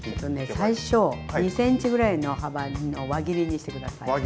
最初２ｃｍぐらいの幅の輪切りにして下さい。